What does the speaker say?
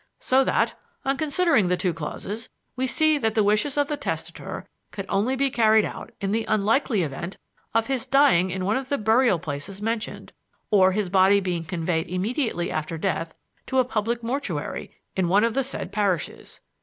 So that, on considering the two clauses, we see that the wishes of the testator could only be carried out in the unlikely event of his dying in one of the burial places mentioned, or his body being conveyed immediately after death to a public mortuary in one of the said parishes.